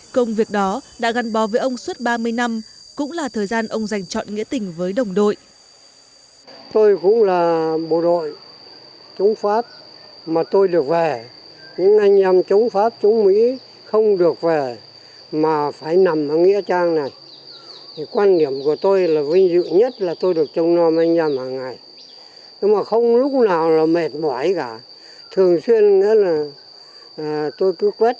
công việc đó đã gắn bò với ông suốt ba mươi năm cũng là thời gian ông dành chọn nghĩa tình với đồng đội